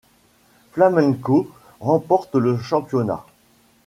Flamengo remporte le championnat.